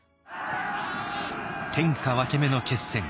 天下分け目の決戦。